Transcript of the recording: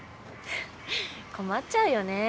困っちゃうよね。